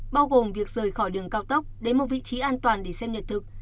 bao gồm việc rời khỏi đường cao tốc đến một vị trí an toàn để xem nhật thực